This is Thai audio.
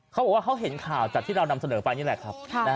เขาบอกว่าเขาเห็นข่าวจากที่เรานำเสนอไปนี่แหละครับ